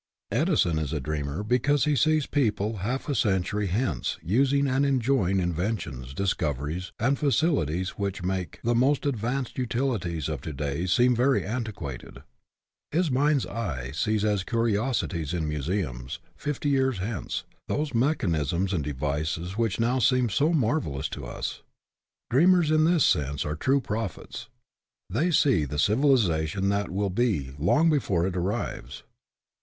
Edison is a dreamer because he sees people half a century hence using and enjoying inven tions, discoveries, and facilities which make the most advanced utilities of to day seem very antiquated. His mind's eye sees as curiosities in museums, fifty years hence, those mechanisms and devices which now seem so marvelous to us. Dreamers in this sense are true prophets. They see the civilization that will be, long before it arrives.